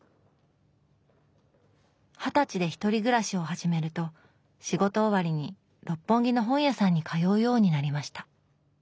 二十歳で１人暮らしを始めると仕事終わりに六本木の本屋さんに通うようになりました